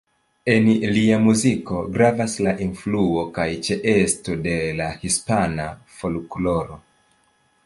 En lia muziko gravas la influo kaj ĉeesto de la hispana folkloro.